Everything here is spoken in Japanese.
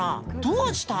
どうした？